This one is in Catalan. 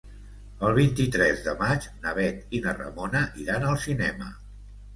El vint-i-tres de maig na Bet i na Ramona iran al cinema.